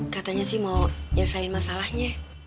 katanya sih mau nyelesain masalahnya